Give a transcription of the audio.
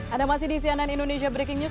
anda masih di cnn indonesia breaking news